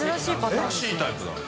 珍しいタイプだね。